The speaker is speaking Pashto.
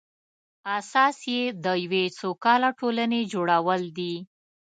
اساس یې د یوې سوکاله ټولنې جوړول دي.